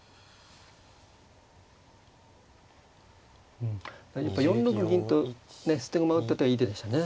うんやっぱ４六銀とね捨て駒打った手はいい手でしたね。